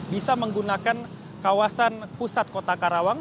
bisa menggunakan kawasan pusat kota karawang